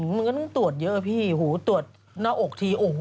ถ้ามีผู้หญิงก็ต้องตรวจเยอะพี่ตรวจหน้าอกที่